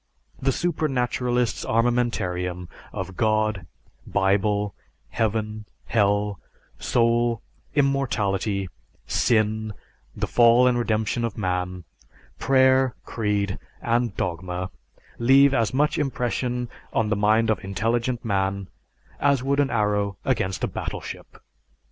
The supernaturalist's armamentarium of God, Bible, Heaven, Hell, Soul, Immortality, Sin, The Fall and Redemption of Man, Prayer, Creed, and Dogma, leave as much impression on the mind of intelligent man as would an arrow against a battleship.